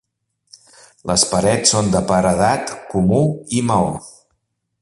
Les parets són de paredat comú i maó.